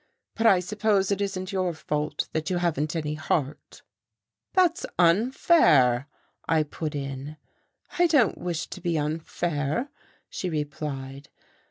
But I suppose it isn't your fault, that you haven't any heart." "That's unfair," I put in. "I don't wish to be unfair," she replied.